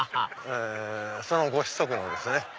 そのご子息のですね